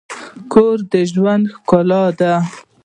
کور د ژوند ښکلا ده.